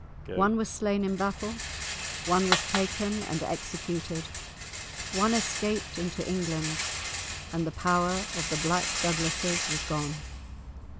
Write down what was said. One was slain in battle; one was taken and executed; one escaped into England; and the power of the Black Douglases was gone.